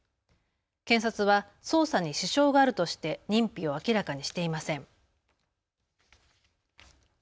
検察は捜査に支障があるとして認否を明らかにしていません。